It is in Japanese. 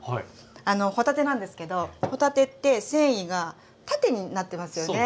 あの帆立てなんですけど帆立てって繊維が縦になってますよね。